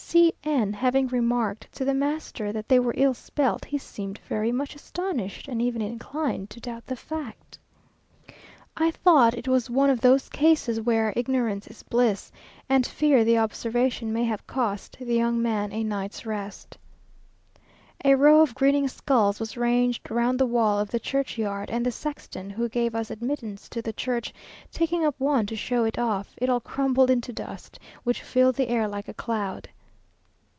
C n having remarked to the master that they were ill spelt, he seemed very much astonished, and even inclined to doubt the fact. I thought it was one of those cases where ignorance is bliss, and fear the observation may have cost the young man a night's rest. A row of grinning skulls was ranged round the wall of the churchyard, and the sexton, who gave us admittance to the church, taking up one to show it off, it all crumbled into dust, which filled the air like a cloud.